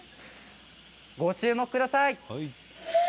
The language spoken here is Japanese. ご注目ください。